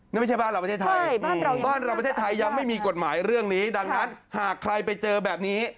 นี่ไม่ใช่บ้านเราประเทศไทยบ้านเราประเทศไทยยังไม่มีกฎหมายเรื่องนี้ดังนั้นหากใครไปเจอแบบนี้